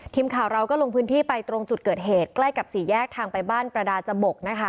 ทีมข่าวเราก็ลงพื้นที่ไปตรงจุดเกิดเหตุใกล้กับสี่แยกทางไปบ้านประดาจบกนะคะ